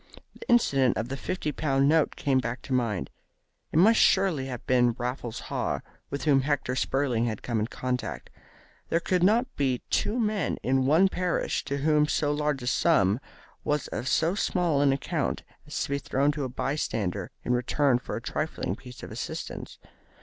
The incident of the fifty pound note came back to his mind. It must surely have been Raffles Haw with whom Hector Spurling had come in contact. There could not be two men in one parish to whom so large a sum was of so small an account as to be thrown to a bystander in return for a trifling piece of assistance.